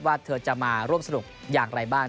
เธอจะมาร่วมสนุกอย่างไรบ้าง